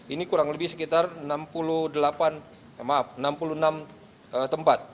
ini kurang lebih sekitar enam puluh delapan maaf enam puluh enam tempat